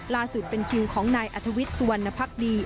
ล่าสุดเป็นคิวของนายอธวิทย์สวรรณภักดี